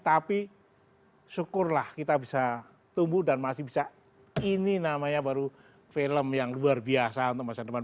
tapi syukurlah kita bisa tumbuh dan masih bisa ini namanya baru film yang luar biasa untuk masa depan